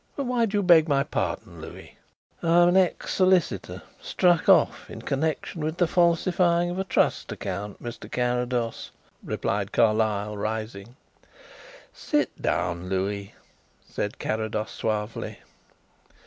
But why do you beg my pardon, Louis?" "I am an ex solicitor, struck off in connexion with the falsifying of a trust account, Mr. Carrados," replied Carlyle, rising. "Sit down, Louis," said Carrados suavely.